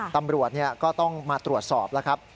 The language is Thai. ตำรวจก็ต้องมาตรวจสอบแล้วครับ